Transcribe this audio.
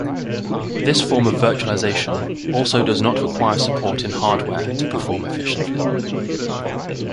This form of virtualization also does not require support in hardware to perform efficiently.